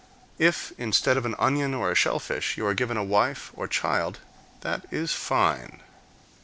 If, instead of an onion or a shellfish, you are given a wife or child, that is fine.